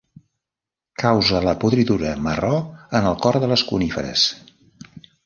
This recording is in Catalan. Causa la podridura marró en el cor en les coníferes.